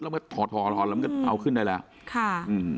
แล้วมันก็ถอดแล้วมันก็เอาขึ้นได้แล้ว